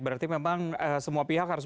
berarti memang semua pihak harus